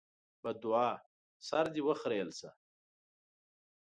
بدوعا: سر دې وخرېيل شه!